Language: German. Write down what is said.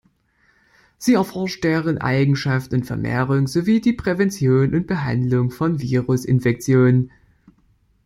Sie erforscht deren Eigenschaften und Vermehrung sowie die Prävention und Behandlung von Virusinfektionen.